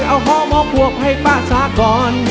เอาห้องหมอกหวกให้ป้าซ้าก่อน